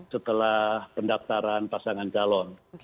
setelah pendaftaran pasangan calon